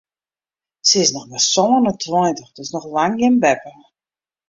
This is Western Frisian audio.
Se is noch mar sân en tweintich, dus noch lang gjin beppe.